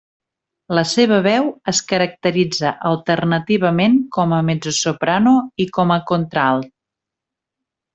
La seva veu es caracteritza alternativament com a mezzosoprano i com a contralt.